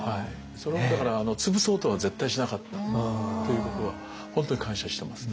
それはだから潰そうとは絶対しなかったということは本当に感謝してますね。